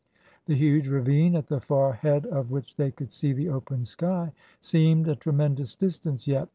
The huge ravine, at the far head of which they could see the open sky, seemed a tremendous distance yet.